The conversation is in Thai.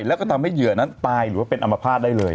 แล้วก็ทำให้เหยื่อนั้นตายหรือว่าเป็นอัมพาตได้เลย